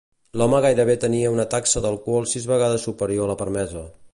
L'home gairebé tenia una taxa d'alcohol sis vegades superior a la permesa.